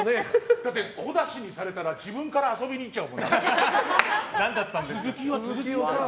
だって、小出しにされたら自分から遊びに行っちゃう。